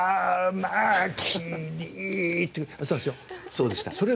そうでした。